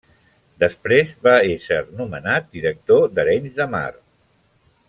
Després va ésser nomenat director d'Arenys de Mar.